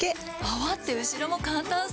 泡って後ろも簡単そう！